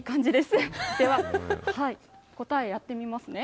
では、答えやってみますね。